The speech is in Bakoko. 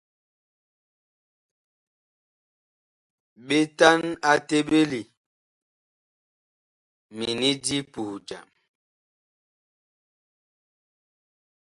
Ɓetan a teɓeli mini di puh jam.